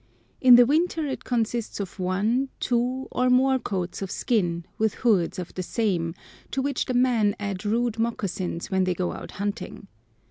In the winter it consists of one, two, or more coats of skins, with hoods of the same, to which the men add rude moccasins when they go out hunting.